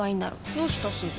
どうしたすず？